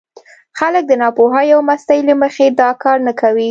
خلک د ناپوهۍ او مستۍ له مخې دا کار نه کوي.